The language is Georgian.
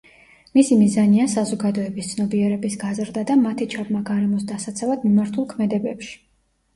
მისი მიზანია საზოგადოების ცნობიერების გაზრდა და მათი ჩაბმა გარემოს დასაცავად მიმართულ ქმედებებში.